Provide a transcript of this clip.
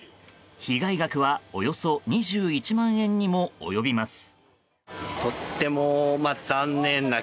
被害額はおよそ２１万円にも及びます。